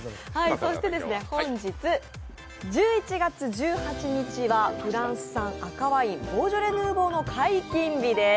そして本日、１１月１８日はフランス産赤ワイン、ボージョレ・ヌーボーの解禁日です。